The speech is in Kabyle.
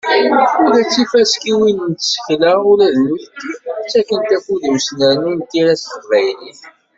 Ula d tifaskiwin n tsekla, ula d nutenti, ttakken afud i usnerni n tira s teqbaylit.